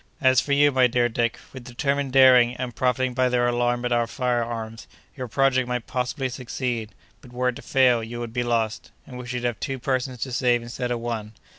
As for you, my dear Dick, with determined daring, and profiting by their alarm at our fire arms, your project might possibly succeed; but, were it to fail, you would be lost, and we should have two persons to save instead of one.